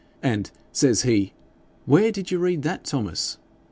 And says he, "Where did you read that, Thomas?"